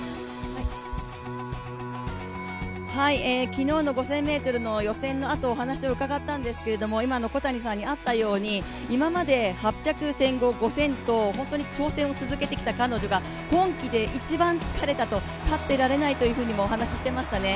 昨日の５０００ｍの予選のあと、お話を伺ったんですけれども今の小谷さんにあったように今まで８００、１５００、５０００と本当に挑戦を続けてきた彼女が今季で一番疲れたと立ってられないというふうにもお話してましたね。